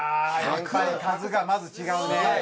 やっぱり数がまず違うね。